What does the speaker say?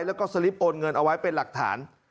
แล้วก็สลิปโอนเงินเอาไว้เป็นหลักฐาน